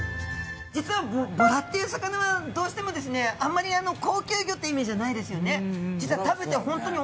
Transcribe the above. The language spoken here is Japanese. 実はボラっていう魚はどうしてもですねあんまり高級魚っていうイメージはないですよね。